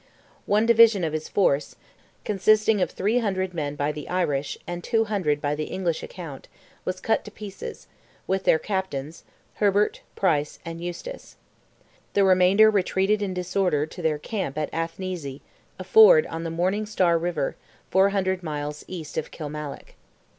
One division of his force, consisting of 300 men by the Irish, and 200 by the English account, was cut to pieces, with their captains, Herbert, Price, and Eustace. The remainder retreated in disorder to their camp at Athneasy, a ford on the Morning Star River, four miles east of Kilmallock.